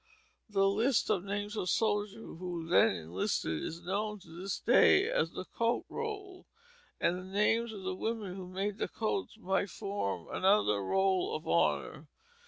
The list of names of soldiers who then enlisted is known to this day as the "Coat Roll," and the names of the women who made the coats might form another roll of honor.